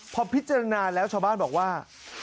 พอพิจารณาแล้วชาวบ้านบอกว่า